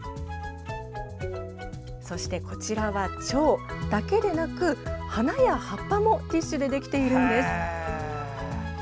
そして、こちらは蝶だけでなく花や葉っぱもティッシュでできているんです。